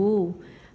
itu saya juga